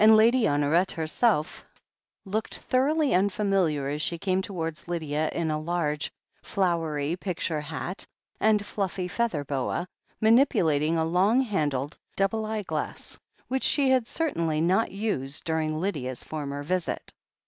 Lady Honoret herself looked thoroughly unfamiliar as she came towards Lydia in a large, flowery picture hat and fluffy feather boa, manipulating a long handled double eye glass, which she had certainly not used dur ing Lydia's former visit.